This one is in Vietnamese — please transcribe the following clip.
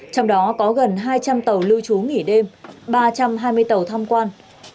trong đó có gần hai trăm linh tàu lưu trú nghỉ đêm ba trăm hai mươi tàu thăm quan